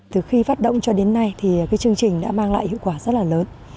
từ khi phát động cho đến nay chương trình đã mang lại hiệu quả rất lớn